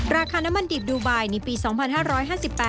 ราคาน้ำมันดิบดูไบในปี๒๕๕๘